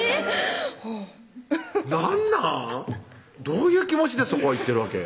どういう気持ちでそこ行ってるわけ？